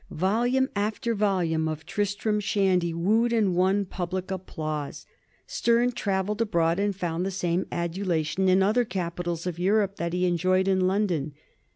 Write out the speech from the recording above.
Vol ume after volume of " Tristram Shandy " wooed and won public applause. Sterne travelled abroad and found the same adulation in other capitals of Europe that he had enjoyed in London.